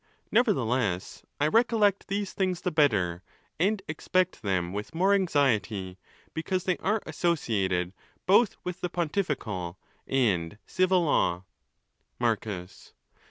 Nevertheless, I recollect these things the better, and expect them with more anxiety, because they are associated both with the pontifical and civil law. Marcus.